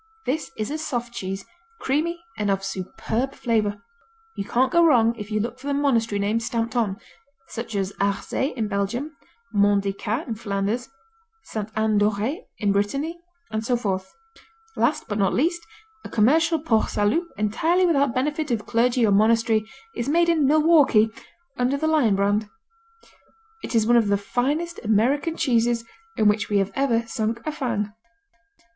This is a soft cheese, creamy and of superb flavor. You can't go wrong if you look for the monastery name stamped on, such as Harzé in Belgium, Mont des Cats in Flanders, Sainte Anne d'Auray in Brittany, and so forth. Last but not least, a commercial Port Salut entirely without benefit of clergy or monastery is made in Milwaukee under the Lion Brand. It is one of the finest American cheeses in which we have ever sunk a fang.